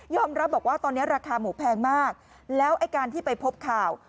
รับบอกว่าตอนนี้ราคาหมูแพงมากแล้วไอ้การที่ไปพบข่าว